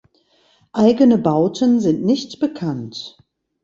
Eigene Bauten sind nicht bekannt.